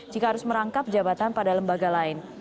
jika harus merangkap jabatan pada lembaga lain